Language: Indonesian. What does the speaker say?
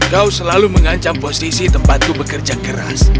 kau selalu mengancam posisi tempatku bekerja keras